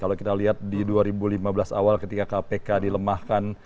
kalau kita lihat di dua ribu lima belas awal ketika kpk dilemahkan